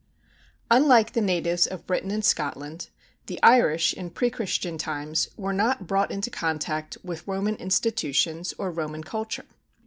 Unlike the natives of Britain and Scotland, the Irish in pre Christian times were not brought into contact with Roman institutions or Roman culture.